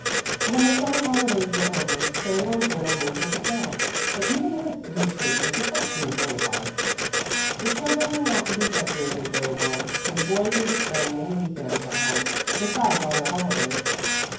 When the summer holidays were over, Salo and Bruno moved into town, but even this leave taking did not prove very hard. The children were not to be separated very long, for the boys were to spend many week ends at home, besides all their holidays.